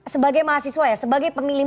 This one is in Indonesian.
sebagai mahasiswa ya sebagai pemilih